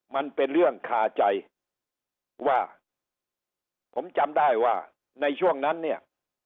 มันเป็นเรื่องคาใจว่าผมจำได้ว่าในช่วงนั้นเนี่ย